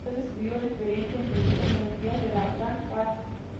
Él describió esta experiencia en su libro "En los días de la Gran Paz.